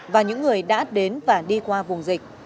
và những người đã đến và đi qua vùng dịch